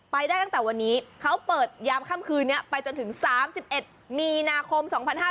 ไปได้ตั้งแต่วันนี้เขาเปิดยามค่ำคืนนี้ไปจนถึง๓๑มีนาคม๒๕๕๙